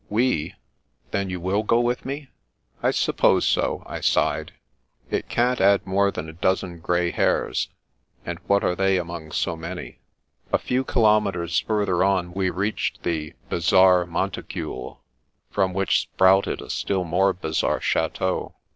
" We? Then you will go with me ?"" I suppose so," I sighed. " It can't add more than a dozen grey hairs, and what are they among so many? " Afternoon Calls 155 A few kilometres further on we reached the bi zarre monticule," from which sprouted a still more bizarre chateau.